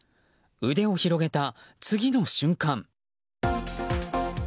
腕を広げた次の瞬間。